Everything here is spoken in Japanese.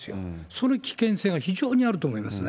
その危険性が非常にあると思いますね。